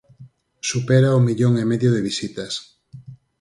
Supera o millón e medio de visitas.